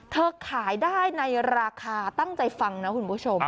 ขายได้ในราคาตั้งใจฟังนะคุณผู้ชม